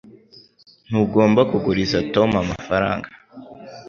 Ntugomba kuguriza Tom amafaranga